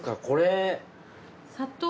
これ。